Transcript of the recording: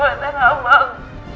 kau adalah orang yang maneh